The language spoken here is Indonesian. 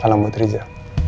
salam buat riza